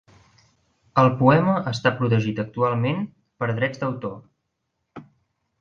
El poema està protegit actualment per drets d"autor.